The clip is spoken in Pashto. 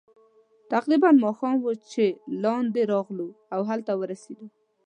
تقریباً ماښام وو چې لاندې راغلو، او هلته ورسېدو.